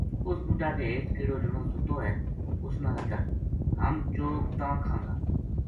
اس بوٹا کے ہیٹھ کِہڑو جنو ستو ہے اس نا راضی کر ! ہم چوگ تاں کھاں گا‘ ‘